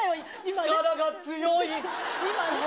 力が強い。